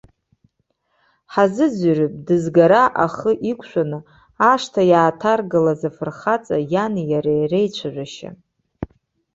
Ҳазыӡырҩып дызгара ахы иқәшәаны, ашҭа иааҭаргалаз афырхаҵа иани иареи реицәажәашьа.